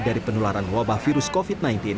dari penularan wabah virus covid sembilan belas